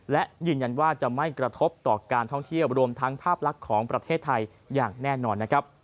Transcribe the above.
และยืนยันว่าจะไม่กระทบต่อการท่องเที่ยวรวมทั้งภาพลักษณ์ของประเทศไทยอย่างแน่นอนนะครับ